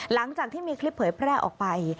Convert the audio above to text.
หลังจากที่มีคลิปเผยแพร่ออกไป